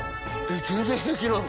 全然平気なの？